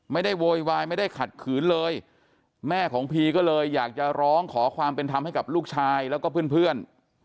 โวยวายไม่ได้ขัดขืนเลยแม่ของพีก็เลยอยากจะร้องขอความเป็นธรรมให้กับลูกชายแล้วก็เพื่อน